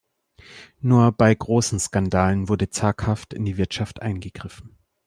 Nur bei großen Skandalen wurde zaghaft in die Wirtschaft eingegriffen.